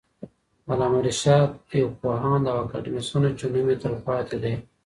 علامه رشاد یو پوهاند او اکاډمیسین وو چې نوم یې تل پاتې دی.